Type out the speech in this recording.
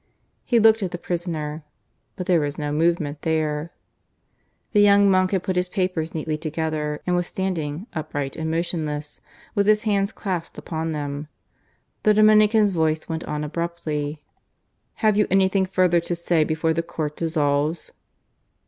He looked at the prisoner; but there was no movement there. The young monk had put his papers neatly together, and was standing, upright and motionless, with his hands clasped upon them. The Dominican's voice went on abruptly: "Have you anything further to say before the court dissolves?"